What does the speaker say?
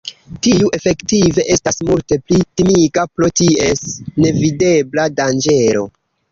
Tiu efektive estas multe pli timiga pro ties nevidebla danĝero.